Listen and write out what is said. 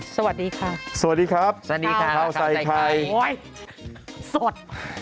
สวัสดีครับสวัสดีครับสวัสดีครับข้าวใจใครโอ๊ยสด